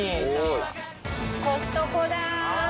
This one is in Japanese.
コストコだ！